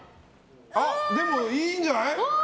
でもいいんじゃない？